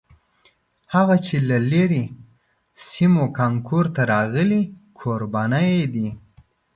هغه چې له لرې سیمو کانکور ته راغلي کوربانه یې دي.